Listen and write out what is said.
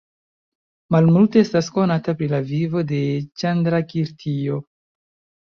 Malmulte estas konata pri la vivo de Ĉandrakirtio.